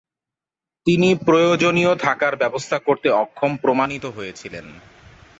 তিনি প্রয়োজনীয় থাকার ব্যবস্থা করতে অক্ষম প্রমাণিত হয়েছিলেন।